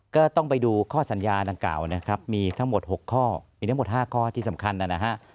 ก็ต้องไปดูข้อสัญญาดังกล่าวนะครับมีทั้งหมด๖ข้อมีทั้งหมด๕ข้อที่สำคัญนะฮะ